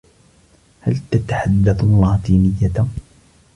هل تتحدث اللاتينية ؟